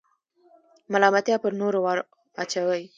ملامتیا پر نورو وراچوئ.